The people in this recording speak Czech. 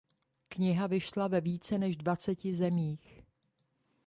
Kniha vyšla ve více než dvaceti zemích.